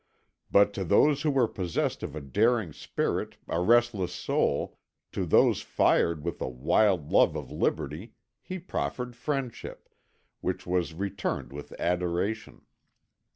But to those who were possessed of a daring spirit, a restless soul, to those fired with a wild love of liberty, he proffered friendship, which was returned with adoration.